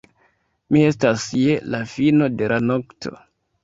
Mi estas je la fino de la nokto.